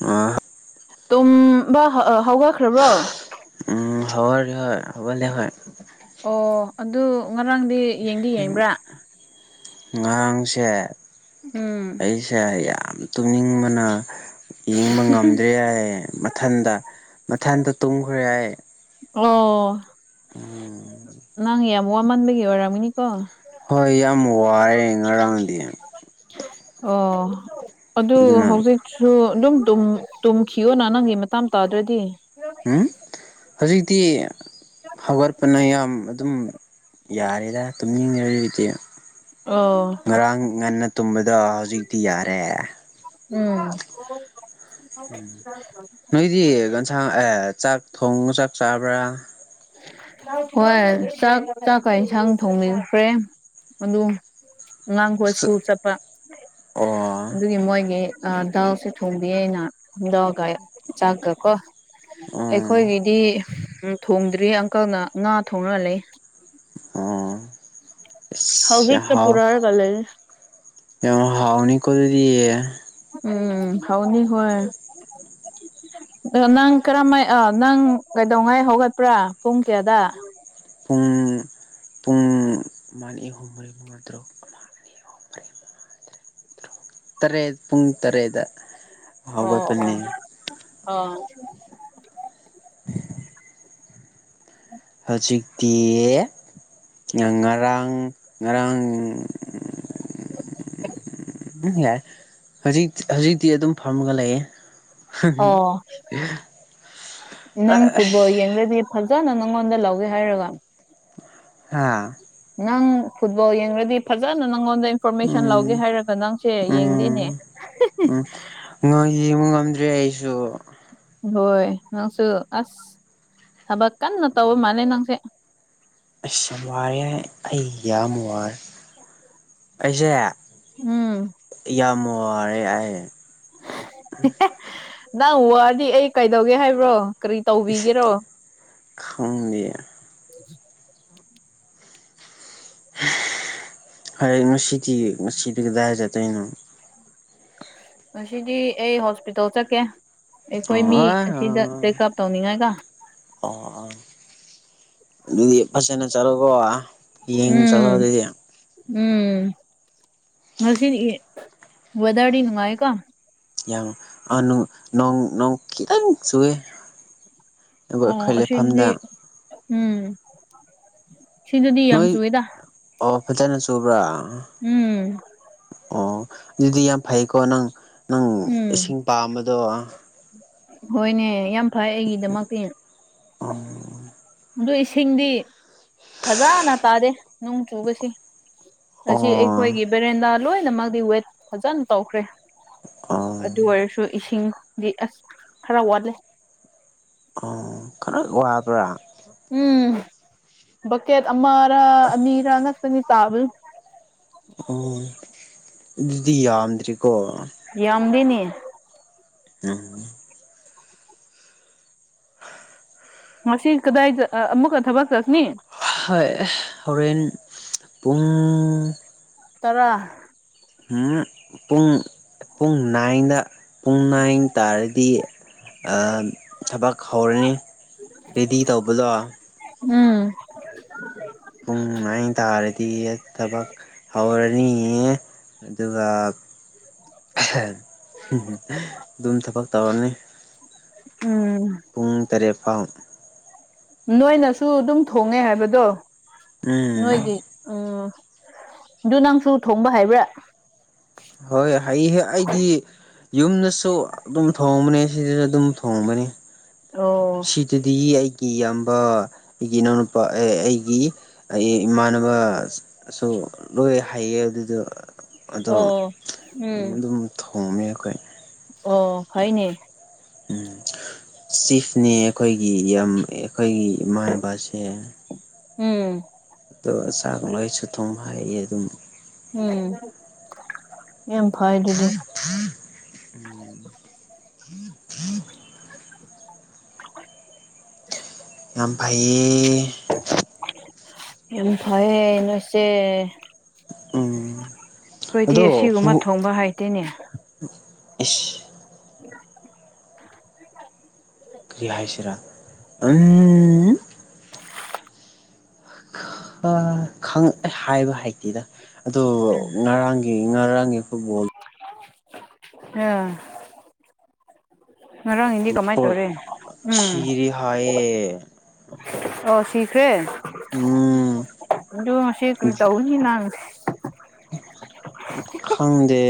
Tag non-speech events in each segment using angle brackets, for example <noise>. ꯑ ꯇꯨꯝꯕ ꯍꯧꯒꯠꯈ꯭ꯔꯕ꯭ꯔꯣ ꯎꯝ ꯍꯧꯒꯠꯂꯦ ꯍꯣꯏ ꯍꯧꯒꯠꯂꯦ ꯍꯣꯏ ꯑꯣ ꯑꯗꯨ ꯉꯔꯥꯡꯗꯤ ꯌꯦꯡꯗꯤ ꯌꯦꯡꯕ꯭ꯔꯥ ꯉꯔꯥꯡꯁꯦ ꯎꯝ ꯑꯩ ꯁꯦ ꯌꯥꯝ ꯇꯨꯝꯅꯤꯡꯕꯅ ꯌꯦꯡꯕ ꯉꯝꯗ꯭ꯔꯦ ꯍꯥꯏꯌꯦ ꯃꯊꯟꯗ ꯃꯊꯟꯗ ꯇꯨꯝꯈ꯭ꯔꯦ ꯍꯥꯏꯌꯦ ꯑꯣ ꯎꯝ ꯅꯪ ꯌꯥꯝ ꯋꯥꯃꯟꯕꯒꯤ ꯑꯣꯏꯔꯝꯒꯅꯤꯀꯣ ꯍꯣꯏ ꯌꯥꯝ ꯋꯥꯔꯦ ꯉꯔꯥꯡꯗꯤ ꯑꯣ ꯑꯗꯨ ꯑꯗꯨꯅ ꯍꯧꯖꯤꯛ ꯁꯨ ꯑꯗꯨꯝ ꯇꯨꯝꯈꯤꯌꯣꯅ ꯅꯪꯒꯤ ꯃꯇꯝ ꯇꯥꯗ꯭ꯔꯗꯤ ꯎꯝ ꯍꯧꯖꯤꯛꯇꯤ ꯍꯧꯒꯠꯄꯅ ꯌꯥꯝ ꯑꯗꯨꯝ ꯌꯥꯔꯦꯗ ꯇꯨꯝꯅꯤꯡ <unintelligible> ꯑꯣ ꯉꯔꯥꯡ ꯉꯟꯅ ꯇꯨꯝꯕꯗꯣ ꯍꯧꯖꯤꯛꯇꯤ ꯌꯥꯔꯦ ꯎꯝ ꯅꯣꯏꯗꯤ ꯀꯟꯁꯥꯡ ꯆꯥꯛ ꯊꯣꯡꯉ ꯆꯥꯛ ꯆꯥꯕ꯭ꯔꯥ ꯍꯣꯏ ꯆꯥꯛ ꯆꯥꯛꯀ ꯏꯟꯁꯥꯡ ꯊꯣꯡꯕꯤꯈ꯭ꯔꯦ ꯑꯗꯨ ꯑꯉꯥꯡꯈ ꯁ꯭ꯀꯨꯜ ꯆꯠꯄ ꯑꯣ ꯑꯗꯨꯒꯤ ꯃꯣꯏꯒꯤ ꯗꯥꯎꯁꯦ ꯊꯣꯡꯕꯤ ꯑꯩꯅꯗꯒ ꯆꯥꯛꯀ ꯀꯣ ꯎꯝ ꯑꯩꯈꯣꯏꯒꯤꯗꯤ ꯊꯣꯡꯗ꯭ꯔꯤ ꯑꯪꯀꯜꯅ ꯉꯥ ꯊꯣꯡꯅ ꯂꯩ ꯑꯣ ꯑ ꯍꯧꯖꯤꯛꯇ ꯄꯨꯔꯛꯑꯒ ꯂꯩ ꯍꯥꯎ ꯍꯥꯎꯅꯤ ꯀꯗꯤ ꯎꯝ ꯍꯥꯎꯅꯤ ꯍꯣꯏ ꯅꯪ ꯀꯔꯝꯥꯏ ꯅꯪ ꯀꯩꯗꯧꯉꯥꯏ ꯍꯧꯒꯠꯄ꯭ꯔꯥ ꯄꯨꯡ ꯀꯌꯥꯗ ꯄꯨꯡ ꯄꯨꯡ ꯃꯥꯅꯤ ꯑꯍꯨꯝ ꯃꯔꯤ ꯃꯨꯇꯔꯨꯛ ꯑꯃ ꯑꯅꯤ ꯑꯨꯝ ꯇꯔꯦꯠ ꯄꯨꯡ ꯇꯔꯦꯠꯗ ꯑꯣ ꯑꯣ ꯑꯣ꯫ ꯍꯧꯖꯤꯛꯇꯤ ꯉꯔꯥꯡ ꯉꯔꯥꯡ ꯎꯝ ꯎꯝ ꯌꯥꯏ ꯍꯧꯖꯤ ꯍꯧꯖꯤꯛꯇꯤ ꯑꯗꯨꯝ ꯐꯝꯃꯒ ꯂꯩꯌꯦ ꯑꯣ ꯅꯪ ꯐꯨꯠꯕꯣꯜ ꯌꯦꯡꯗꯗꯤ ꯐꯖꯅ ꯅꯪꯉꯣꯟꯗ ꯂꯧꯒꯦ ꯍꯥꯏꯔꯒ ꯍꯥꯥ ꯅꯪ ꯐꯨꯠꯕꯣꯜ ꯌꯦꯡꯔꯗꯤ ꯐꯖꯅ ꯅꯪꯉꯣꯟꯗ ꯑꯩ ꯐꯔꯣꯃꯦꯁꯟ ꯂꯧꯒꯦ ꯎꯝ ꯍꯥꯏꯔꯒ ꯅꯪꯁꯦ ꯌꯦꯡꯗꯦꯅꯦ ꯍꯦꯍꯦ꯫ ꯥ ꯌꯦꯡꯕ ꯉꯝꯗ꯭ꯔꯦ ꯑꯩꯁꯨ ꯍꯣꯏ ꯅꯪꯁꯨ ꯑꯁ ꯊꯕꯛ ꯀꯟꯅ ꯇꯧꯋ ꯃꯥꯜꯂꯦ ꯅꯪꯁꯦ ꯑꯩꯁ ꯌꯥꯝ ꯋꯥꯔꯦ ꯑꯩ ꯌꯥꯝ ꯋꯥꯔꯦ ꯑꯩꯁꯦ ꯎꯝ ꯌꯥꯝ ꯋꯥꯔꯦ ꯍꯥꯏꯦ ꯅꯪ ꯋꯥꯔꯗꯤ ꯑꯩ ꯀꯩꯗꯧꯒꯦ ꯍꯥꯏꯕ꯭ꯔꯣ ꯀꯔꯤ ꯇꯧꯕꯤꯒꯦꯔꯣ ꯈꯪꯗꯤꯌꯦ꯫ ꯍꯅ ꯁꯤꯇ ꯁꯇꯒꯗꯔ ꯇꯣꯏꯅ ꯉꯁꯤꯗꯤ ꯑꯩ ꯍꯣꯁꯄꯤꯇꯥꯜ ꯆꯠꯀꯦ ꯑꯩꯈꯣꯏ ꯃꯤ ꯑꯁꯤꯗ ꯑꯣ ꯆꯦꯛꯑꯞ ꯇꯧꯅꯤꯡꯉꯥꯏꯒ꯫ ꯑꯣ ꯑꯗꯨꯗꯤ ꯐꯖꯅ ꯆꯂꯣꯀꯣ ꯎꯝ ꯎꯝ ꯉꯁꯤ ꯏ ꯋꯦꯗꯔꯗꯤ ꯅꯨꯡꯉꯥꯏꯀꯣ ꯌꯥꯝ ꯈꯤꯇꯪ ꯆꯨꯑꯦ ꯑꯣ ꯑꯁꯤꯗꯤ ꯎꯝ ꯁꯤꯗꯗꯤ ꯌꯥꯝ ꯅꯣꯏ ꯆꯨꯏꯌꯦꯗꯥ꯫ ꯑꯣ ꯐꯖꯅ ꯆꯨꯕ꯭ꯔꯥ ꯎꯝ꯫ ꯑꯣ ꯑꯗꯨꯗꯤ ꯌꯥꯝ ꯐꯩꯀꯣ ꯅꯪ ꯅꯪ ꯎꯝ ꯏꯁꯤꯡ ꯄꯥꯝꯕꯗꯣ ꯍꯣꯏꯅꯦ ꯌꯥꯝ ꯐꯩ ꯑꯩꯒꯤꯗꯃꯛꯇꯤ ꯑꯣꯝ ꯑꯗꯨ ꯏꯁꯤꯡꯗꯤ ꯐꯖꯅ ꯇꯥꯗꯦ ꯅꯣꯡ ꯆꯨꯕꯁꯤ ꯉꯁꯤ ꯑꯌꯨꯛ꯫ ꯑꯣ ꯑꯩꯈꯣꯏꯒꯤ ꯕꯦꯔꯦꯟꯗꯥ ꯂꯣꯏꯅꯃꯛꯗꯤ ꯋꯦꯠ ꯐꯖꯅ ꯇꯧꯈ꯭ꯔꯦ ꯑꯗꯨ ꯑꯣ ꯑꯣꯏꯔꯁꯨ ꯏꯁꯤꯡꯗꯤ ꯑꯁ ꯈꯔ ꯋꯥꯠꯂꯦ ꯑꯣ ꯈꯔ ꯋꯥꯕ꯭ꯔꯥ ꯎꯝ ꯕꯛꯀꯦꯠ ꯑꯃꯔ ꯑꯅꯤꯔ ꯉꯅꯤ ꯆꯥꯕꯜ ꯑꯣ ꯑꯗꯨꯗꯤ ꯌꯥꯝꯗ꯭ꯔꯤꯀꯣ ꯌꯥꯝꯗꯦꯅꯦ꯫ ꯅꯪ ꯃꯁꯤ ꯀꯗꯥꯏꯗ ꯑꯃꯨꯛꯀ ꯊꯕꯛ ꯆꯠꯁꯤꯅꯤ ꯍꯣꯏ ꯍꯣꯔꯦꯟ ꯄꯨꯡ ꯇꯔꯥ ꯄꯨꯡ ꯄꯨꯡ ꯅꯥꯏꯟꯗ ꯄꯨꯡ ꯅꯥꯏꯟ ꯇꯥꯔꯗꯤ ꯊꯕꯛ ꯍꯧꯔꯅꯤ ꯔꯦꯗꯤ ꯇꯧꯕꯗꯣ ꯎꯝ <unintelligible> ꯄꯨꯡ ꯅꯥꯏꯟ ꯇꯥꯔꯗꯤ ꯊꯕꯛ ꯍꯧꯔꯅꯤ꯫ ꯑꯗꯨꯒ ꯝ ꯊꯥꯄꯛ ꯇꯥꯔꯅꯤ ꯎꯝ ꯄꯨꯡ ꯇꯔꯦꯠ ꯐꯥꯎ ꯅꯣꯏꯅꯁꯨ ꯑꯗꯨꯝ ꯊꯣꯡꯉꯦ ꯍꯥꯏꯕꯗꯣ ꯎꯝ ꯅꯣꯏꯗꯤ ꯎꯝ ꯑꯗꯨ ꯅꯪꯁꯨ ꯊꯣꯡꯕ ꯍꯥꯏꯕ꯭ꯔꯥ ꯍꯣꯏ ꯍ ꯑꯩꯗꯤ ꯌꯨꯝꯗꯁꯨ ꯑꯗꯨꯝ ꯊꯣꯡꯕꯅꯤ ꯁꯤꯗꯁꯨ ꯑꯗꯨꯝ ꯊꯣꯡꯕꯅꯤ꯫ ꯑꯣ ꯁꯤꯗꯗꯤ ꯑꯩꯒꯤ ꯏꯌꯥꯝꯕ ꯑꯩꯒꯤ ꯏꯅꯥꯎꯅꯨꯄꯥ ꯑꯩꯒꯤ ꯑꯩ ꯏꯃꯥꯟꯅꯕ ꯁꯨ ꯂꯣꯏ ꯍꯩꯌꯦ ꯑꯗꯨꯗꯣ ꯑꯗꯣ ꯑꯣ ꯎꯝ ꯑꯗꯨꯝ ꯊꯣꯡꯉ ꯑꯩꯈꯣꯏ ꯑꯣ ꯐꯩꯅꯦ꯫ ꯎꯝ ꯆꯤꯐꯅꯦ ꯑꯩꯈꯣꯏꯒꯤ ꯌꯥꯝ ꯑꯩꯈꯣꯏꯒꯤ ꯏꯃꯥꯟꯅꯕꯁꯦ ꯎꯝ ꯑꯗꯣ ꯆꯥꯛ ꯂꯣꯏꯁꯨ ꯊꯨꯝ ꯍꯥꯏꯌꯦ ꯑꯗꯨꯝ ꯎꯝ ꯌꯥꯝꯦꯝ ꯐꯥꯏꯗꯨꯗꯤ ꯍꯝ ꯎꯝ <inaudible> <unintelligible> ꯑꯐꯥꯏ ꯌꯥꯝ ꯐꯩꯌꯦ ꯅꯣꯏꯁꯦ꯫ ꯎꯝ ꯑꯩꯈꯣꯏꯗꯤ ꯑꯁꯤꯒꯨꯝꯕ ꯊꯣꯡꯕ ꯍꯥꯏꯇꯦꯅꯦ ꯑ <unintelligible> ꯀ꯭ꯔꯤ ꯍꯥꯏꯁꯤꯔꯥ ꯎꯝ ꯑ ꯈꯪ ꯍꯥꯏꯕ ꯍꯩꯇꯦꯗ ꯑꯗꯣ ꯉꯔꯥꯡꯒꯤ ꯉꯔꯥꯡꯒꯤ ꯐꯨꯠꯕꯣꯜ ꯑ ꯉꯔꯥꯡꯗꯤ ꯀꯃꯥꯏ ꯄꯣꯔꯠ ꯇꯧꯔꯦ ꯎꯝ ꯁꯤꯔꯦ ꯍꯥꯏꯌꯦ ꯑꯣ ꯁꯤꯈ꯭ꯔꯦ ꯎꯝ ꯑꯗꯨ ꯉꯁꯤ ꯀ꯭ꯔꯤ ꯇꯧꯒꯅꯤ ꯅ ꯈꯪꯗꯦ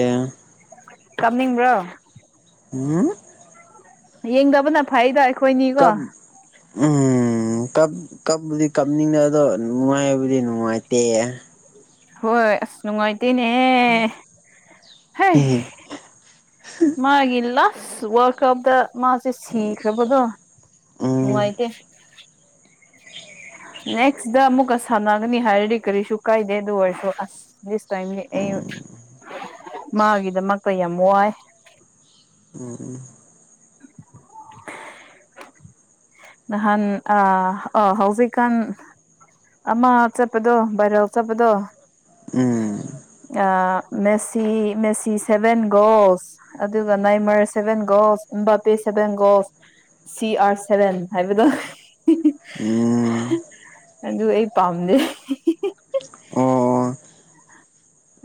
ꯀꯞꯅꯤꯡꯕ꯭ꯔꯣ ꯎꯝ ꯌꯦꯡꯗꯕꯅ ꯐꯩꯗ ꯑꯩ ꯀꯞ ꯎꯝ ꯎꯝ ꯀꯞꯄꯗꯤ ꯀꯞꯅꯤꯡꯗ ꯑꯗꯣ ꯅꯨꯡꯉꯥꯏꯕꯨꯗꯤ ꯅꯨꯡꯉꯥꯏꯇꯦ ꯍꯣꯏ ꯑꯁ ꯅꯨꯡꯉꯥꯏꯇꯦꯅꯦ ꯍꯦ ꯍꯩ ꯃꯥꯒꯤ ꯂꯥꯁ ꯋꯥꯔꯜ ꯀꯞꯇ ꯃꯥꯁꯦ ꯁꯤꯈ꯭ꯔꯕꯗꯣ꯫ ꯎꯝ ꯅꯨꯡꯉꯥꯏꯇꯦ ꯅꯦꯛꯁꯇ ꯑꯃꯨꯛꯀ ꯁꯥꯟꯅꯒꯅꯤ ꯍꯥꯏꯔꯗꯤ ꯀꯔꯤꯁꯨ ꯀꯥꯏꯗꯦ ꯑꯗꯨ ꯑꯣꯏꯔꯁꯨ ꯑꯁ ꯗꯤꯁ ꯇꯥꯏꯝ ꯑꯩ ꯎꯝ ꯃꯥꯒꯤꯗꯃꯛꯇ ꯌꯥꯝ ꯋꯥꯏ <unintelligible> <inaudible> ꯅꯍꯥꯟ ꯑ ꯑꯣ ꯍꯧꯖꯤꯛꯀꯥꯟ ꯑꯃꯞ ꯆꯠꯄꯗꯣ ꯚꯥꯏꯔꯥꯎ ꯆꯠꯄꯗꯣ ꯎꯝ ꯑ ꯃꯦꯁꯤ ꯃꯦꯁꯤ ꯁꯚꯦꯟꯒꯣꯁ ꯑꯗꯨꯒꯒ ꯅꯏ ꯃꯔ ꯁꯦꯕꯦꯟꯒꯣ ꯏꯕꯥꯄꯦ ꯁꯚꯦꯟꯒꯣꯐ ꯁꯤ ꯑꯥꯔ ꯁꯚꯦꯟ ꯍꯥꯏꯕꯗꯣ ꯎꯝ ꯑꯗꯨ ꯑꯩ ꯄꯥꯝꯗꯦ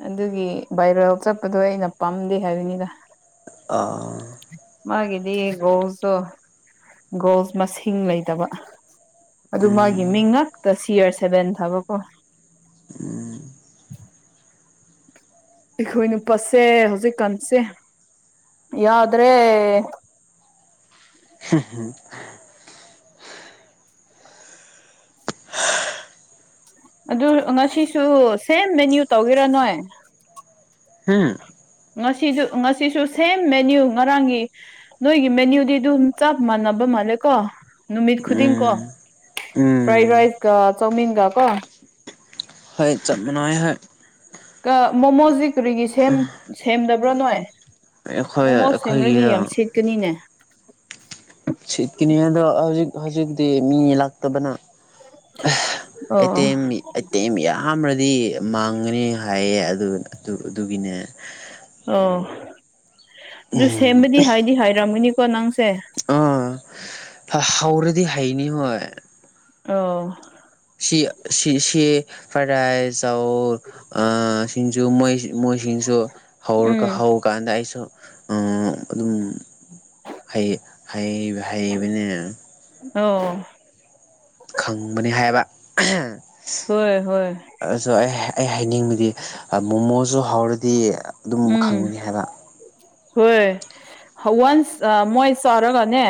ꯑꯗꯨꯒꯤ ꯕꯥꯏꯔꯦꯜ ꯆꯠꯄꯗꯣ ꯑꯩꯅ ꯄꯥꯝꯗꯦ ꯍꯥꯏꯕꯅꯤꯗ ꯑꯥ ꯃꯥꯒꯤꯗꯤ ꯒꯣꯜꯁꯇꯣ ꯒꯣꯜꯁ ꯃꯁꯤꯡ ꯂꯩꯇꯕ ꯑꯗꯨ ꯃꯥꯒꯤ ꯃꯤꯡ ꯉꯛꯇ ꯁꯤꯌꯥꯔ ꯁꯦꯚꯦꯟ ꯊꯥꯕꯀꯣ ꯑꯩꯈꯣꯏ ꯅꯨꯄꯥꯁꯦ ꯍꯧꯖꯤꯛꯀꯥꯟꯁꯦ ꯌꯥꯗ꯭ꯔꯦ <unintelligible> ꯑꯗꯨꯔ ꯉꯁꯤꯁꯨ ꯁꯦꯝ ꯃꯦꯅ꯭ꯌꯨ ꯇꯧꯒꯦꯔꯥ ꯅꯣꯏ ꯉꯁꯤꯁꯨ-ꯉꯁꯤꯁꯨ ꯁꯦꯝ ꯃꯦꯅ꯭ꯌꯨ ꯉꯔꯥꯡꯒꯤ ꯅꯣꯏꯒꯤ ꯃꯦꯅ꯭ꯌꯨꯗꯤ ꯑꯗꯨꯝ ꯆꯞ ꯃꯥꯟꯅꯕ ꯃꯥꯜꯂꯦꯀꯣ ꯅꯨꯃꯤꯠ ꯈꯨꯗꯤꯡ ꯀꯣ꯫ ꯐ꯭ꯔꯥꯏ ꯔꯥꯏꯁꯀꯤ ꯆꯧ ꯃꯤꯟꯒ ꯀꯣ ꯍꯣꯏ ꯆꯞ ꯃꯅꯥꯏ ꯍꯣꯏ ꯀꯤ ꯃꯣꯃꯣꯖꯤ ꯀꯔꯤꯒꯤ ꯁꯦꯝ-ꯁꯦꯝꯗꯕ꯭ꯔꯥ ꯅꯣꯏ ꯑꯩꯈꯣꯏ ꯃꯣꯃꯣ ꯁꯦꯝꯔꯗꯤ ꯑꯩꯈꯣꯏꯒꯤꯗ ꯌꯥꯝ ꯁꯤꯠꯀꯅꯤꯅꯦ ꯁꯤꯠꯀꯤꯅꯤꯗꯣ ꯍꯧꯖꯤꯛ ꯍꯧꯖꯤꯛꯇꯤ ꯃꯤ ꯂꯥꯛꯇꯕꯅ꯫ ꯑꯦꯇ ꯑꯣ ꯑꯇꯦꯝ ꯌꯥꯝ꯭ꯔꯗꯤ ꯃꯥꯡꯒꯅꯤ ꯍꯥꯏꯌꯦ ꯑꯗꯨ ꯑꯗꯨꯒꯤꯅꯦ ꯑꯣ ꯑꯗꯨ ꯁꯦꯝꯕꯗꯤ ꯍꯥꯏꯗꯤ ꯍꯥꯏꯔꯝꯒꯅꯤꯀꯣ ꯅꯪꯁꯦ ꯍ ꯍꯧꯔꯗꯤ ꯍꯩꯅꯤ ꯍꯣꯏ ꯑ ꯁꯤ-ꯁꯤ-ꯁꯤ ꯐ꯭ꯔꯥꯏ ꯔꯥꯏꯁ ꯆꯧ ꯑꯥ ꯁꯤꯡꯖꯨ ꯃꯣꯏ ꯃꯣꯏꯁꯤꯡꯁꯨ ꯍꯧꯔꯥꯒ ꯎꯝ ꯍꯧ ꯀꯥꯟꯗ ꯑꯩꯁꯨ ꯑꯗꯨꯝ ꯍꯥꯏꯕ ꯍꯥꯏꯩꯕꯅꯦ ꯑꯣ ꯈꯪꯕꯅꯦ ꯍꯥꯏꯕ ꯍꯣꯏ-ꯍꯣꯏ ꯑꯥꯁꯣ ꯑꯩ-ꯑꯩ ꯍꯥꯏꯅꯤꯡꯕꯗꯤ ꯃꯣꯃꯣꯁꯨ ꯍꯧꯔꯥꯗꯤ ꯑꯗꯨꯝ ꯎꯝ ꯈꯪꯒꯅꯤ ꯍꯥꯏꯕ ꯍꯣꯏ ꯋꯥꯟꯁ ꯃꯣꯏ ꯆꯥꯎꯧꯔꯒꯅꯦ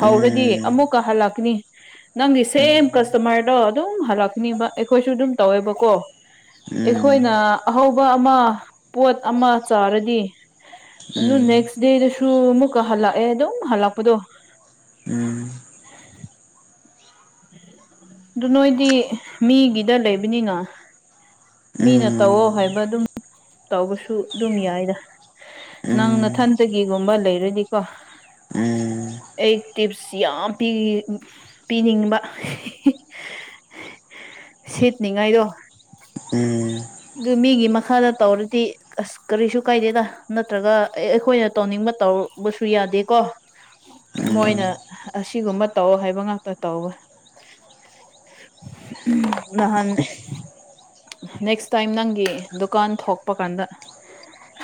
ꯍꯧꯔꯗꯤ ꯎꯝ ꯑꯃꯨꯛꯀ ꯍꯜꯂꯛꯀꯅꯤ ꯅꯪꯒꯤ ꯁꯦꯝ ꯎꯝ ꯀꯁꯇꯃꯔꯗꯣ ꯑꯗꯨꯝ ꯍꯜꯂꯛꯀꯅꯤꯕ ꯑꯩꯈꯣꯏꯁꯨ ꯑꯗꯨꯝ ꯇꯧꯋꯦꯕꯀꯣ꯫ ꯎꯝ ꯑꯩꯈꯣꯏꯅ ꯑꯍꯧꯕ ꯑꯃ ꯄꯣꯠ ꯑꯃ ꯆꯥꯔꯥꯗꯤ ꯑꯗꯨ ꯎꯝ ꯅꯦꯛꯁ ꯗꯦꯗꯁꯨ ꯑꯃꯨꯛꯀ ꯍꯜꯂꯛꯑꯦ ꯑꯗꯨꯝ ꯍꯜꯂꯛꯄꯗꯣ ꯑꯗꯨ ꯅꯣꯏꯗꯤ ꯃꯤꯒꯤꯗ ꯂꯩꯕꯅꯤꯅ ꯎꯝ ꯃꯤꯅ ꯇꯧꯋꯣ ꯍꯥꯏꯕ ꯑꯗꯨꯝ ꯇꯧꯕꯁꯨ ꯑꯗꯨꯝ ꯌꯥꯏꯗ ꯅꯪ ꯎꯝ ꯅꯊꯟꯇꯒꯤꯒꯨꯝꯕ ꯂꯩꯔꯗꯤꯀꯣ ꯎꯝ ꯑꯩ ꯇꯤꯞꯁ ꯌꯥꯝ ꯄꯤ- ꯄꯤꯅꯤꯡꯕ ꯁꯤꯠꯅꯤꯉꯥꯏꯗꯣ ꯎꯝ ꯗꯨ ꯃꯤꯒꯤ ꯃꯈꯥꯗ ꯇꯧꯔꯗꯤ ꯑꯁ ꯀꯔꯤꯁꯨ ꯀꯥꯏꯗꯦꯗ ꯅꯠꯇ꯭ꯔꯥꯒ ꯑꯩ-ꯑꯈꯣꯏꯅ ꯇꯧꯅꯤꯡꯕ ꯇꯧꯕꯁꯨ ꯌꯥꯗꯦꯀꯣ ꯎꯝ ꯃꯣꯏꯅ ꯑꯁꯤꯒꯨꯝꯕ ꯇꯧ ꯍꯥꯏꯕ ꯉꯥꯛꯇ ꯇꯧꯕ ꯎꯝ ꯅꯍꯥꯟ ꯅꯦꯛꯁ ꯇꯥꯏꯝ ꯅꯪꯒꯤ ꯗꯨꯀꯥꯟ ꯊꯣꯛꯄ ꯀꯥꯟꯗ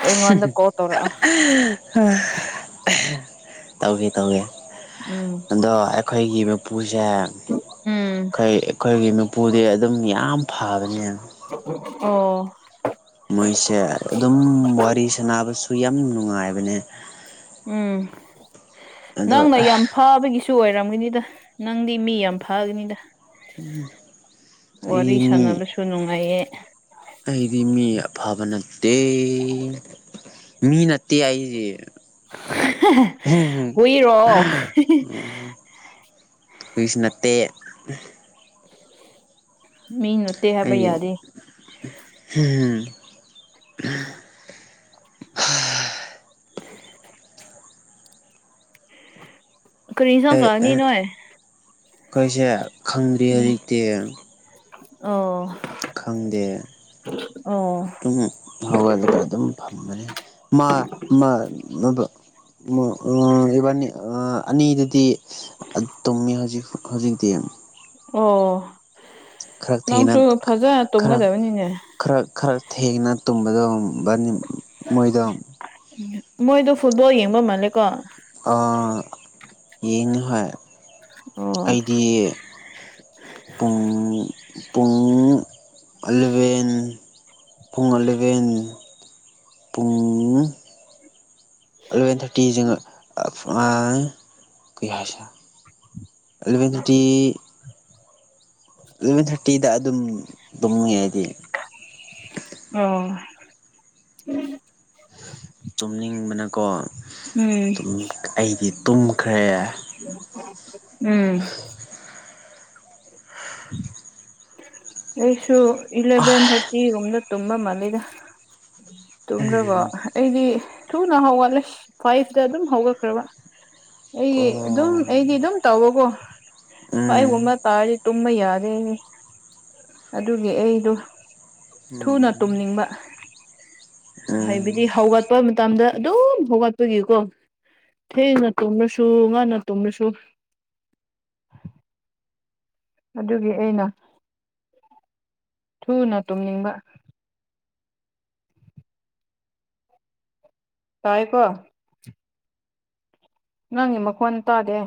ꯑꯩꯉꯣꯟꯗ ꯀꯣꯜ ꯇꯎꯔꯛꯑꯣ <unintelligible> ꯇꯧꯒꯦ-ꯇꯧꯒꯦ ꯎꯝ ꯑꯗꯣ ꯑꯩꯈꯣꯏꯒꯤ ꯃꯄꯨꯁꯦ ꯎꯝ ꯑꯩꯈꯣꯏ ꯑꯩꯈꯣꯏꯒꯤ ꯃꯄꯨꯗꯤ ꯑꯗꯨꯝ ꯌꯥꯝ ꯐꯕꯅꯦꯅ ꯑꯣ ꯃꯣꯏꯁꯦ ꯑꯗꯨꯝ ꯋꯥꯔꯤ ꯁꯥꯟꯅꯕꯁꯨ ꯌꯥꯝ ꯅꯨꯡꯉꯥꯏꯕꯅꯦ ꯎꯝ ꯑꯗꯣ ꯅꯪꯅ ꯌꯥꯝ ꯐꯥꯕꯒꯤꯁꯨ ꯑꯣꯏꯔꯝꯒꯅꯤꯗ ꯅꯪꯗꯤ ꯃꯤ ꯌꯥꯝ ꯐꯥꯒꯅꯤꯗ ꯋꯥꯔꯤ ꯑꯩ ꯃꯤ ꯁꯥꯟꯅꯕꯁꯨ ꯅꯨꯡꯉꯥꯏꯌꯦ ꯑꯩꯗꯤ ꯃꯤ ꯑꯐꯕ ꯅꯠꯇꯦ ꯃꯤ ꯅꯠꯇ ꯑꯩꯗꯤ ꯍꯨꯏꯔꯣ <unintelligible> ꯍꯨꯏꯁꯨ ꯅꯠꯇꯦ ꯃꯤꯅ ꯑꯩ <inaudible> ꯀ꯭ꯔꯤ ꯏꯟꯁꯥꯡ ꯑꯦ ꯆꯥꯅꯤ ꯅꯣꯏ ꯑꯩꯈꯣꯏꯁꯦ ꯈꯪꯗ꯭ꯔꯤ ꯍꯧꯖꯤꯛꯇꯤ ꯑꯣ ꯈꯪꯗꯦ ꯑꯣ ꯑꯗꯨꯝ ꯍꯧꯒꯜꯂꯒ ꯑꯗꯨꯝ ꯐꯝꯕꯅꯤ ꯃꯥ ꯃ ꯏꯕꯥꯟꯅꯤ ꯑꯅꯤꯗꯨꯗꯤ ꯇꯨꯝꯃꯤ ꯍꯧꯖꯤꯛ ꯍꯧꯖꯤꯛꯇꯤ ꯑꯣ ꯈꯔ ꯊꯦꯡꯅ ꯅꯪꯁꯨ ꯐꯖ ꯈꯔ ꯇꯨꯝꯒꯗꯕꯅꯤꯅꯦ ꯈꯔ ꯈꯔ ꯊꯦꯡꯅ ꯇꯨꯝꯕꯗꯣ ꯕꯟ ꯃꯣꯏꯗꯣ ꯎ ꯃꯣꯏꯗꯣ ꯐꯨꯠꯕꯣꯜ ꯌꯦꯡꯕ ꯃꯥꯜꯂꯦꯀꯣ ꯌꯦꯡꯉꯦ ꯍꯣꯏ ꯑꯣ ꯑꯩꯗꯤ ꯄꯨꯡ-ꯄꯨꯡ ꯑꯂꯚꯦꯟ ꯄꯨꯡ ꯑꯂꯕꯦꯟ ꯄꯨꯡ ꯏꯂꯦꯚꯦꯟ ꯊꯥꯔꯇꯤ ꯀꯩꯍꯥꯏꯁꯤꯔꯥ꯫ ꯑꯦꯂꯚꯦꯟ ꯊꯔꯇꯤ ꯑꯦꯂꯚꯦꯟ ꯊꯥꯔꯇꯤꯗ ꯑꯗꯨꯝ ꯇꯝꯉꯦ ꯑꯩꯗꯤ ꯑ ꯇꯨꯝꯅꯤꯡꯕꯅꯀꯣ ꯎꯝ ꯑꯩꯗꯤ ꯇꯨꯝꯈ꯭ꯔꯦ ꯎꯝ ꯑꯩꯁꯨ ꯑꯣ ꯏꯂꯚꯦꯟ ꯊꯥꯔꯇꯤꯒꯨꯝꯗ ꯇꯨꯝꯕꯥ ꯃꯥꯜꯂꯤꯗ ꯇꯨꯝꯈ꯭ꯔꯕꯣ ꯑꯩꯗꯤ ꯊꯨꯅ ꯍꯧꯒꯠꯂꯦ ꯐ꯭ꯋꯥꯥꯏꯚꯇ ꯑꯗꯨꯝ ꯍꯧꯒꯠꯈ꯭ꯔꯕ ꯑꯩꯒꯤ ꯑꯗꯨꯝ ꯑꯩꯒꯤ ꯑꯗꯨꯝ ꯇꯧꯕꯀꯣ ꯐꯥꯏꯒꯨꯝꯕ ꯎꯝ ꯇꯥꯔꯤ ꯇꯨꯝꯕ ꯌꯥꯗꯦ ꯑꯩꯗꯤ ꯑꯗꯨꯒꯤ ꯑꯩꯗꯣ ꯊꯨꯅ ꯎꯝ ꯇꯨꯝꯅꯤꯡꯕ ꯎꯝ ꯍꯥꯏꯕꯗꯤ ꯍꯧꯒꯠꯄ ꯃꯇꯝꯗ ꯑꯗꯨꯝ ꯍꯧꯒꯠꯄꯒꯤꯀꯣ ꯊꯦꯡꯅ ꯇꯨꯝꯔꯁꯨ ꯉꯟꯅ ꯇꯨꯝꯔꯁꯨ ꯑꯗꯨꯒꯤ ꯑꯩꯅ ꯊꯨꯅ ꯇꯨꯝꯅꯤꯡꯕ ꯇꯥꯏꯌꯦ ꯀꯣ ꯅꯪꯒꯤ ꯃꯈꯣꯟ ꯇꯥꯗꯦ